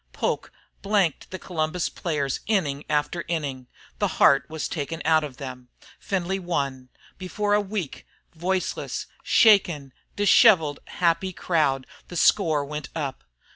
Poke blanked the Columbus players inning after inning. The heart was taken out of them. Findlay won. Before a weak, voiceless, shaken, dishevelled, happy crowd the score went up.